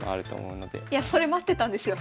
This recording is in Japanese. いやそれ待ってたんですよ。